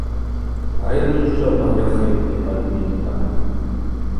Айныжвчва багъьахитӏ, – йхӏватӏ Мидпа.